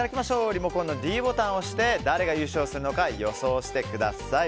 リモコンのｄボタンを押して誰が優勝するのか予想してください。